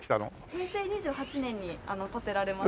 平成２８年に建てられました。